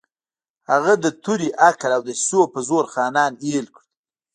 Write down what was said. هغه د تورې، عقل او دسیسو په زور خانان اېل کړل.